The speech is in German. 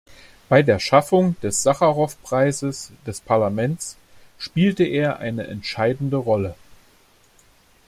Bei der Schaffung des Sacharow-Preises des Parlaments spielte er eine entscheidende Rolle.